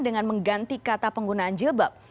dengan mengganti kata penggunaan jilbab